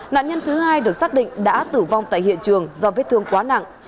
nạn nhân thứ hai được xác định đã tử vong tại hiện trường do vết thương quá nặng